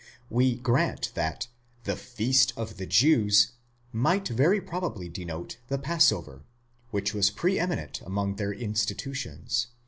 We grant that ἡ ἑορτὴ τῶν Ιουδαίων, THE feast of the Jews, might very probably denote the Passover, avhich was pre eminent among their institutions